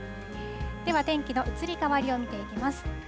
では天気の移り変わりを見ていきます。